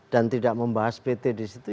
dan tidak membahas pt disitu